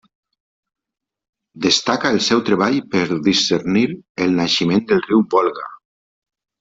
Destaca el seu treball per discernir el naixement del riu Volga.